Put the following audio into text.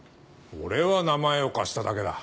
俺は名前を貸しただけだ。